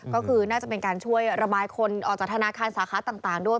ก็คือน่าจะเป็นการช่วยระบายคนออกจากธนาคารสาขาต่างด้วย